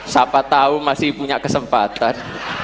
siapa tahu masih punya kesempatan